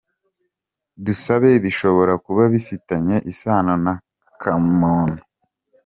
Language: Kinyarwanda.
Dusabe bishobora kuba bifitanye isano na Kamono.